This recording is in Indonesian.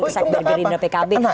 kesakitan bergeri dari pkb